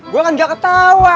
gua kan gak ketawa